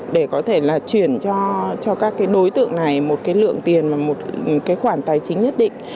để có thể là chuyển cho các đối tượng này một lượng tiền và một khoản tài chính nhất định